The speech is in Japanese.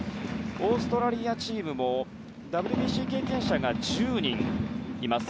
オーストラリアチームもＷＢＣ経験者が１０人います。